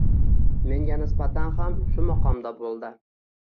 menga nisbatan ham shu maqomda boʼldi.